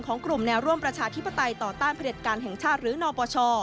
กลุ่มแนวร่วมประชาธิปไตยต่อต้านผลิตการแห่งชาติหรือนปช